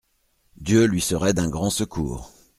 Dieu lui serait d'un grand secours.